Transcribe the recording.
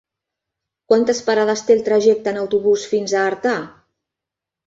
Quantes parades té el trajecte en autobús fins a Artà?